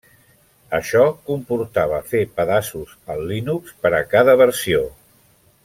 Això comportava fer pedaços al Linux per a cada versió.